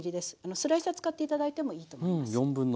スライサー使って頂いてもいいと思います。